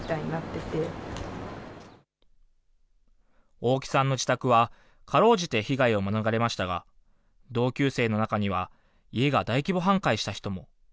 大木さんの自宅は、かろうじて被害を免れましたが、同級生の中には、家が大規模半壊した人も。